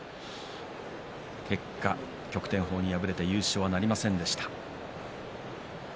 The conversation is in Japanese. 結果、旭天鵬に敗れて優勝はなりませんでした。